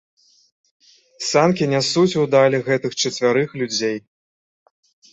Санкі нясуць у даль гэтых чацвярых людзей.